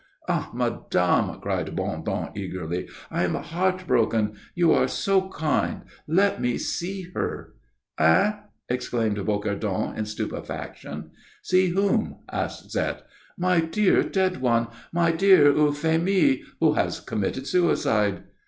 "Ah, madame!" cried Bondon, eagerly, "I am heart broken. You who are so kind let me see her." "Hein?" exclaimed Bocardon, in stupefaction. "See whom?" asked Zette. "My dear dead one. My dear Euphémie, who has committed suicide."